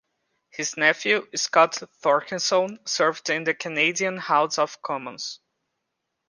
His nephew Scott Thorkelson served in the Canadian House of Commons.